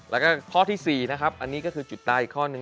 แล้วก็ข้อที่๔นะครับอันนี้ก็คือจุดตายอีกข้อหนึ่ง